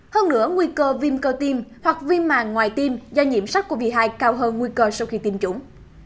hơn nữa nguy cơ viêm cơ tim hoặc viêm màng ngoài tim do nhiễm sắc covid hai cao hơn nguy cơ sau khi tiêm chủng